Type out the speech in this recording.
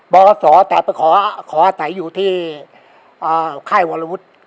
บศแต่เป็นขอไถอยู่ที่ค่ายวารวุฒิ